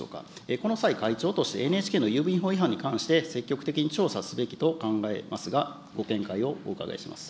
この際、会長としてＮＨＫの郵便法違反に関して、積極的に調査すべきと考えますが、ご見解をお伺いします。